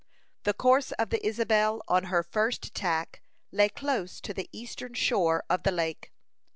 The course of the Isabel, on her first tack, lay close to the eastern shore of the lake.